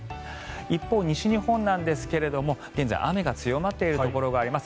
一方、西日本なんですが現在、雨が強まっているところがあります。